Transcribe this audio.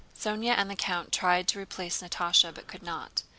Sónya and the count tried to replace Natásha but could not.